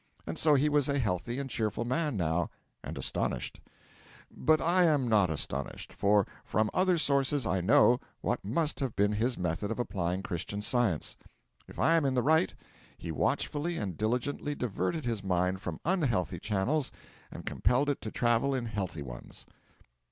And so he was a healthy and cheerful man, now, and astonished. But I am not astonished, for from other sources I know what must have been his method of applying Christian Science. If I am in the right, he watchfully and diligently diverted his mind from unhealthy channels and compelled it to travel in healthy ones.